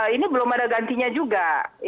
ini belum ada gantinya juga